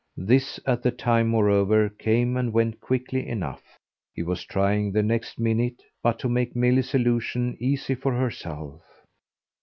This at the time moreover came and went quickly enough; he was trying the next minute but to make Milly's allusion easy for herself.